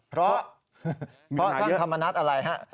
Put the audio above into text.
เพราะท่านธรรมนัฐอะไรฮะ